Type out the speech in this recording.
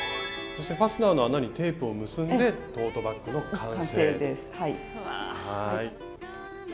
そしてファスナーの穴にテープを結んでトートバッグの完成です。